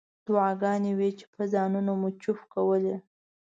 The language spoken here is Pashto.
دعاګانې وې چې په ځانونو مو چوف کولې.